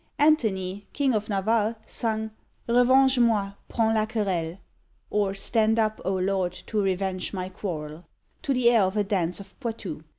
Antony, king of Navarre, sung Revenge moy prens la querelle, or "Stand up, O Lord, to revenge my quarrel," to the air of a dance of Poitou.